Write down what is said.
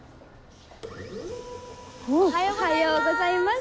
「おはようございます」。